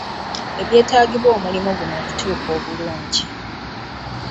Ebyetaagibwa omulimo guno okutuuka obulungi